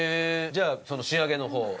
じゃあその仕上げの方を。